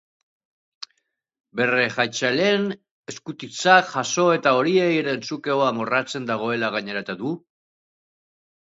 Bere jarraitzaileen eskutitzak jaso eta horiei erantzuteko amorratzen dagoela gaineratu du.